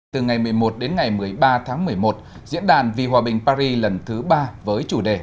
từ ngày một mươi một đến ngày một mươi ba tháng một mươi một diễn đàn vì hòa bình paris lần thứ ba với chủ đề